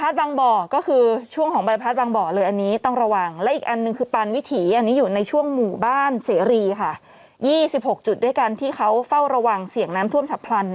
เสรีค่ะยี่สิบหกจุดด้วยการที่เขาเฝ้าระวังเสี่ยงน้ำท่วมฉับพลันนะคะ